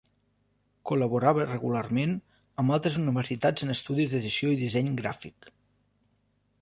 Col·laborava regularment amb altres universitats en estudis d'edició i disseny gràfic.